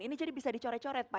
ini jadi bisa dicoret coret pak